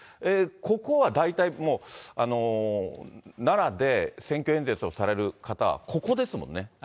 ここは大体もう、奈良で選挙演説をされる方はここですもんね。